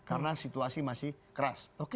karena situasi masih keras